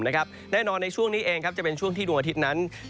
แน่นอนในช่วงนี้เองจะเป็นช่วงที่ดวงอาทิตย์นั้น